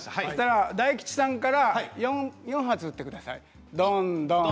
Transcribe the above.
大吉さんから４発打ってください。